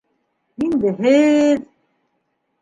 Инде һеҙ...